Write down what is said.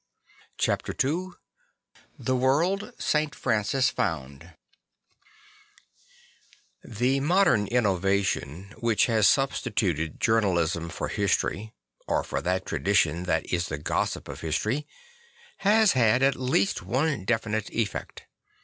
B Chapter II crhe IV orld St. Francis Found THE modern innovation which has substituted journalism for history, or for that tradition that is the gossip of history, has had at least one definite effect.